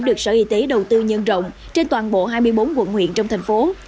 được sở y tế đầu tư nhân rộng trên toàn bộ hai mươi bốn quận huyện trong thành phố